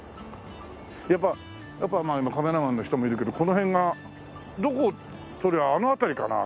やっぱ今カメラマンの人もいるけどこの辺がどこを撮りゃあの辺りかな？